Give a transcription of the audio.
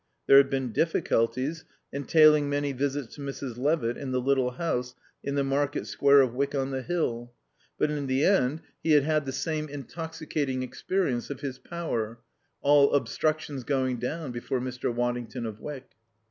There had been difficulties, entailing many visits to Mrs. Levitt in the little house in the Market Square of Wyck on the Hill; but in the end he had had the same intoxicating experience of his power, all obstructions going down before Mr. Waddington of Wyck.